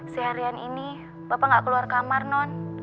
seharian ini bapak nggak keluar kamar non